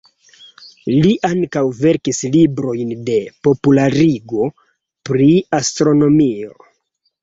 Li ankaŭ verkis librojn de popularigo pri astronomio.